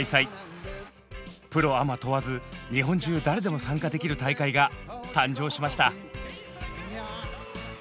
プロアマ問わず日本中誰でも参加できる大会が誕生しました。